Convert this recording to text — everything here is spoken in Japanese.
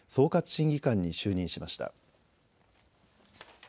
審議官に就任しました。